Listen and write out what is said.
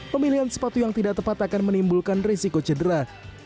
pemilihan sepatu yang tidak tepat akan menimbulkan risiko cedera